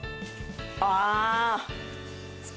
ああ。